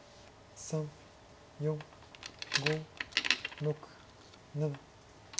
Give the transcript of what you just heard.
３４５６７。